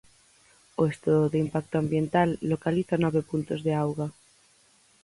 O estudo de impacto ambiental localiza nove puntos de auga.